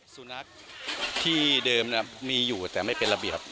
สุนัขที่เดิมมีอยู่แต่ไม่เป็นระเบียบ